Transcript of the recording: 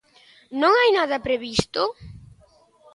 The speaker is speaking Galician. Non hai nada previsto?